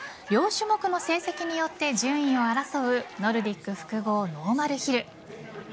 両種目の成績によって順位を争うノルディック複合ノーマルヒル。